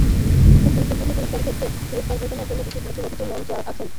খুব গুরুত্বপূর্ণ পুরস্কারের ক্ষেত্রে পুরস্কার ঘোষণার জন্য বিশেষ একজন অতিথি মঞ্চে আসেন।